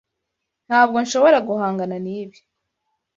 Ntabwo nshobora guhangana nibi.